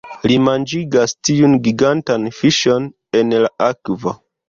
Li manĝigas tiun gigantan fiŝon en la akvo